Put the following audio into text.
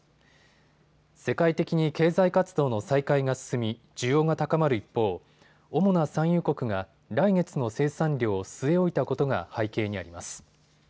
世界的に経済活動の再開が進み需要が高まる一方、主な産油国が来月の生産量を据え置いたことが背景にあります。